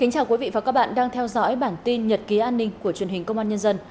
chào mừng quý vị đến với bản tin nhật ký an ninh của truyền hình công an nhân dân